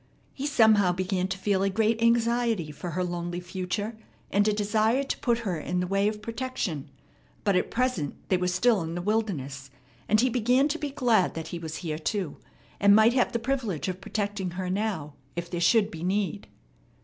He somehow began to feel a great anxiety for her lonely future and a desire to put her in the way of protection. But at present they were still in the wilderness; and he began to be glad that he was here too, and might have the privilege of protecting her now, if there should be need.